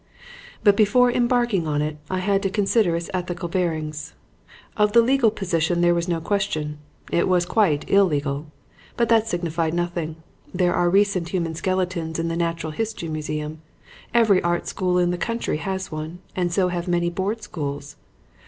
"But before embarking on it I had to consider its ethical bearings. Of the legal position there was no question. It was quite illegal. But that signified nothing. There are recent human skeletons in the Natural History Museum; every art school in the country has one and so have many board schools.